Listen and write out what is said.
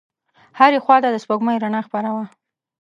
هرې خواته د سپوږمۍ رڼا خپره وه.